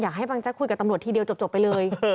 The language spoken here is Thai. ให้บางแจ๊กคุยกับตำรวจทีเดียวจบไปเลย